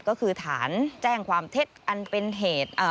ก็คือฐานแจ้งความเท็จอันเป็นเหตุ